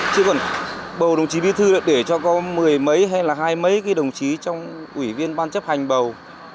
chứ còn bầu đồng chí bí thư để cho có mười mấy hay là hai mấy cái đồng chí trong ủy viên ban chấp hành bầu